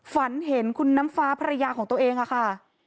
ฝันเห็นคุณน้ำฟ้าภรรยาของตัวเองค่ะ